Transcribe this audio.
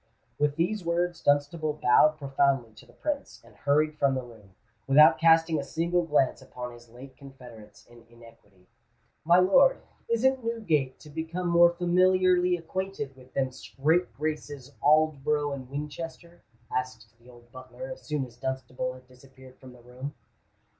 With these words, Dunstable bowed profoundly to the Prince, and hurried from the room, without casting a single glance upon his late confederates in iniquity. "My lord, isn't Newgate to become more familiarly acquainted with them scrape graces Aldborough and Winchester?" asked the old butler, as soon as Dunstable had disappeared from the room.